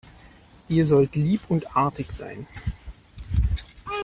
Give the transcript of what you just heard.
Ihr sollt lieb und artig sein.